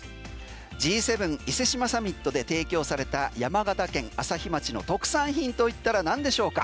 Ｇ７伊勢志摩サミットで提供された山形県朝日町の特産品といったらなんでしょうか。